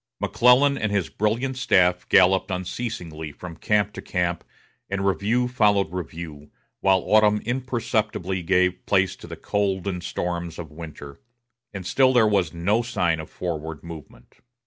McClellan and his brilliant staff galloped unceasingly from camp to camp, and review followed review, while autumn imperceptibly gave place to the cold and storms of winter; and still there was no sign of forward movement.